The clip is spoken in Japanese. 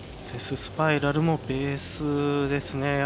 デススパイラルもベースですね。